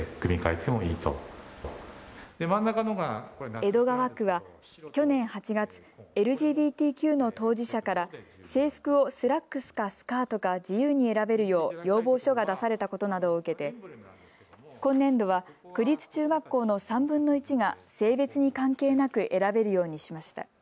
江戸川区は去年８月、ＬＧＢＴＱの当事者から制服をスラックスかスカートか自由に選べるよう要望書が出されたことなどを受けて今年度は区立中学校の３分の１が性別に関係なく選べるようにしました。